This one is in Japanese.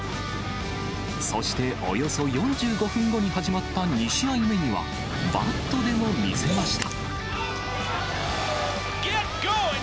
そして、およそ４５分後に始まった２試合目には、バットでも見せました。